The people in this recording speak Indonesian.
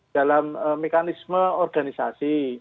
dalam mekanisme organisasi